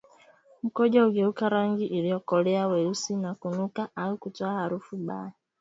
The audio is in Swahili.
Mkojo hugeuka rangi iliyokolea weusi na kunuka au kutoa harufu mbaya